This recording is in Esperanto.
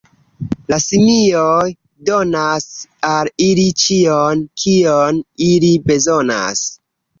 La simioj donas al ili ĉion, kion ili bezonas.